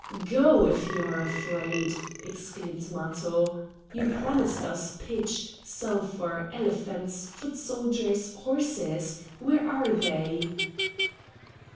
"Go, if you are afraid!" exclaimed Matho; "you promised us pitch, sulphur, elephants, foot soldiers, horses! where are they?"